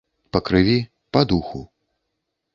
Па крыві, па духу.